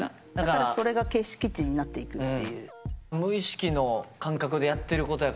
だからそれが形式知になっていくっていう。